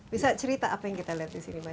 bisa cerita apa yang kita lihat disini